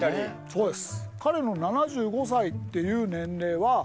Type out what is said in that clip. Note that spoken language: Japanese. そうです。